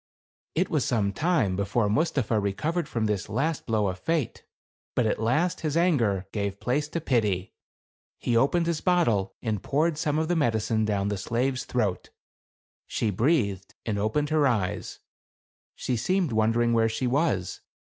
It was some time before Mustapha recovered from this last blow of Fate ; but at last his anger gave place to pity. He opened his bottle and poured some of the medicine down the slave's throat. She breathed — she opened her eyes —■ she seemed wondering where she was.